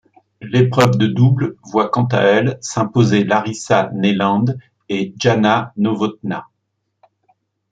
L'épreuve de double voit quant à elle s'imposer Larisa Neiland et Jana Novotná.